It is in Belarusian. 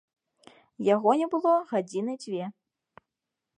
Яго не было гадзіны дзве.